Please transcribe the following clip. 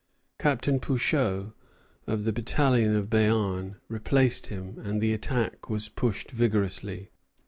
Captain Pouchot, of the battalion of Béarn, replaced him; and the attack was pushed vigorously.